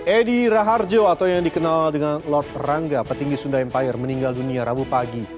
edi raharjo atau yang dikenal dengan lot rangga petinggi sunda empire meninggal dunia rabu pagi